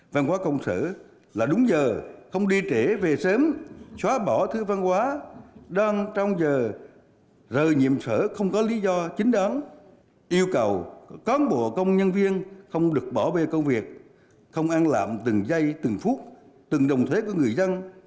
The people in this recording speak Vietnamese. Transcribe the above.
văn hóa công sở là đúng giờ không đi trễ về sớm xóa bỏ thứ văn hóa đang trong giờ rời nhiệm sở không có lý do chính đoán yêu cầu cán bộ công nhân viên không được bỏ bê công việc không ăn lạm từng giây từng phút từng đồng thế của người dân